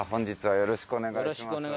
よろしくお願いします。